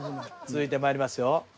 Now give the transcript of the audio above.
続いてまいりますよ。